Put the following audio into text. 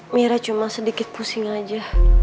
mira cuma sedikit pusing aja